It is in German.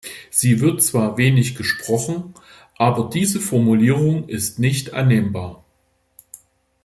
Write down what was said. Sie wird zwar wenig gesprochen, aber diese Formulierung ist nicht annehmbar.